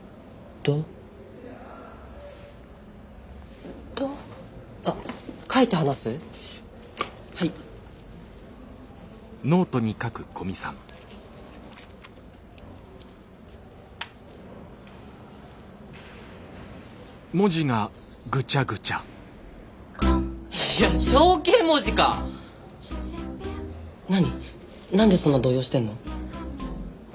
何でそんな動揺してんの？